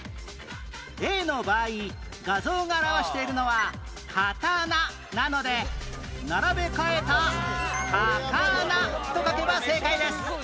例の場合画像が表しているのは「かたな」なので並べ替えた「たかな」と書けば正解です